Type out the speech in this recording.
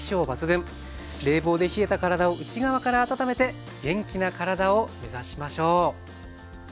冷房で冷えた体を内側から温めて元気な体を目指しましょう。